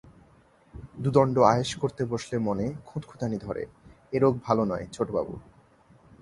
দুদণ্ড আয়েশ করতে বসলে মনে খুঁতখুঁতানি ধরে, এ রোগ ভালো নয় ছোটবাবু।